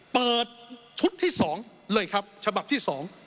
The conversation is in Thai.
เปิดชุดที่๒เลยครับฉบับที่๒